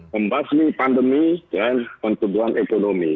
pembahas pandemi dan pencubuhan ekonomi